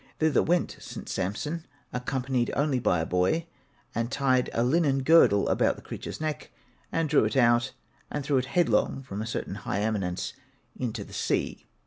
Thither went St. Samson, accompanied only by a boy, and tied a linen girdle about the creature's neck, and drew it out and threw it headlong from a certain high eminence into the sea.